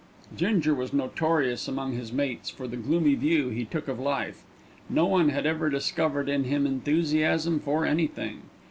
Ginger was notorious among his mates for the gloomy view he took of life. No one had ever discovered in him enthusiasm for anything.